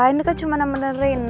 ini kan cuma nama ren